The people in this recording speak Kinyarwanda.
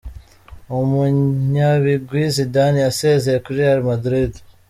Umunyabigwi Zidane yasezeye muri Real Madrid.